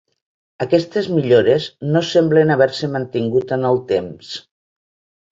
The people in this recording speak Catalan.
Aquestes millores no semblen haver-se mantingut en el temps.